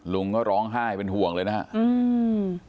ลุงก็ร้องไห้เป็นห่วงเลยนะครับ